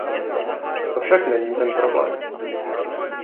To však není ten problém.